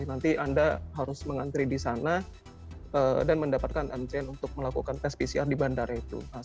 nanti anda harus mengantri di sana dan mendapatkan antrian untuk melakukan tes pcr di bandara itu